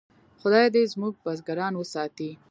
خدای دې زموږ بزګران وساتي.